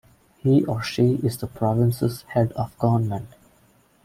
He or she is the province's head of government.